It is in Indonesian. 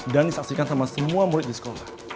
dan disaksikan sama semua murid di sekolah